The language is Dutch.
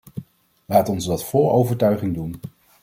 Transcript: Laat ons dat vol overtuiging doen.